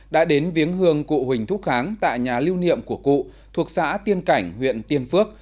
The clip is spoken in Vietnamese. đã đến viếng hương cụ huỳnh thúc kháng tại nhà lưu niệm của cụ thuộc xã tiên cảnh huyện tiên phước